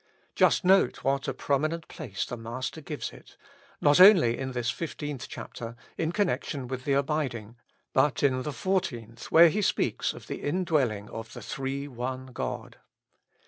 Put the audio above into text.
Just note what a prominent place the Master gives it, not only in this 15th chapter, in connection with the abiding, but in the 14th, where He speaks of the in dwelling of the Three One God.